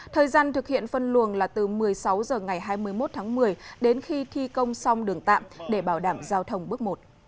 thời gian thực hiện phân luồng là từ một mươi sáu h ngày hai mươi một tháng một mươi đến khi thi công xong đường tạm để bảo đảm giao thông bước một